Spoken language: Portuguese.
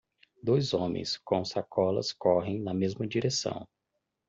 Dois homens com sacolas correm na mesma direção.